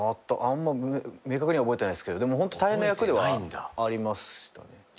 あんま明確には覚えてないっすけどでもホント大変な役ではありましたね。